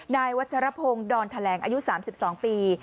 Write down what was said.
นายวัชรพงศ์ดอนแถลงอายุ๓๒ปี